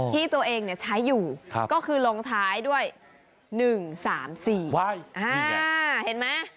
ที่ตัวเองใช้อยู่ก็คือลงท้ายด้วย๑๓๔เห็นไหม